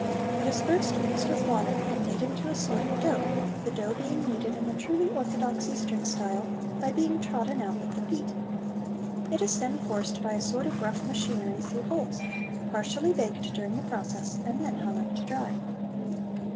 It is first mixed with water and made into a sort of dough, the dough being kneaded in the truly orthodox Eastern style by being trodden out with the feet. It is then forced by a sort of rough machinery through holes, partially baked during the process, and then hung up to dry.